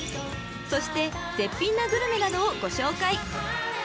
そして絶品なグルメなどをご紹介］